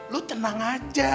lu tenang aja